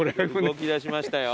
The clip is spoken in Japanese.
動きだしましたよ